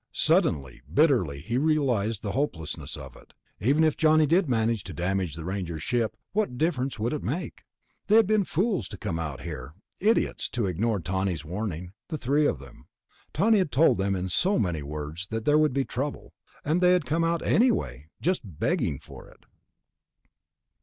Suddenly, bitterly, he realized the hopelessness of it. Even if Johnny did manage to damage the Ranger ship, what difference would it make? They had been fools to come out here, idiots to ignore Tawney's warning, the three of them. Tawney had told them in so many words that there would be trouble, and they had come out anyway, just begging for it.